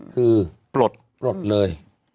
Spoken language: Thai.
คือปลดปลดเลย